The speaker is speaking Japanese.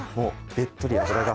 べっとり脂が。